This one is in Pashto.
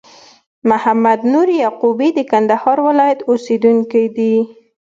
محمد نور یعقوبی د کندهار ولایت اوسېدونکی دي